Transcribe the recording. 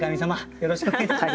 よろしくお願いします。